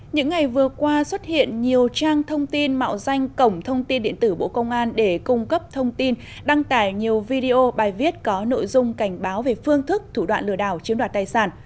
những ngày vừa qua xuất hiện nhiều trang thông tin mạo danh cổng thông tin điện tử bộ công an để cung cấp thông tin đăng tải nhiều video bài viết có nội dung cảnh báo về phương thức thủ đoạn lừa đảo chiếm đoạt tài sản